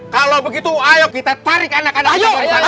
kalau begitu ayo kita tarik anak anak kita ke sana